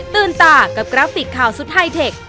ตากับกราฟิกข่าวสุดไฮเทค